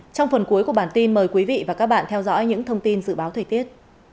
trong phần cuối của bản tin mời quý vị và các bạn theo dõi những thông tin dự báo thời tiết